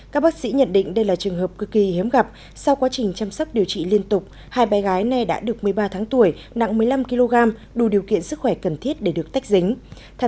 các bác sĩ nhận định đây là trường hợp cực kỳ hiếm gặp sau quá trình chăm sóc điều trị liên tục hai bé gái này đã được một mươi ba tháng tuổi nặng một mươi năm kg đủ điều kiện sức khỏe cần thiết để được tách dính